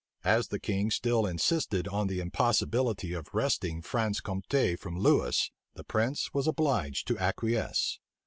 As the king still insisted on the impossibility of wresting Franche Compte from Lewis, the prince was obliged to acquiesce.